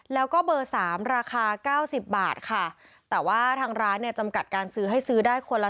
แล้วก็เบอร์สามราคาเก้าสิบบาทค่ะแต่ว่าทางร้านเนี่ยจำกัดการซื้อให้ซื้อได้คนละ